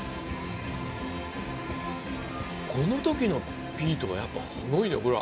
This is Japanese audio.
この時のピートはやっぱすごいよほら